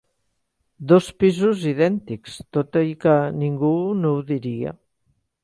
Dos pisos idèntics, tot i que ningú no ho diria.